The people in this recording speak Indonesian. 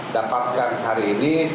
dapatkan hari ini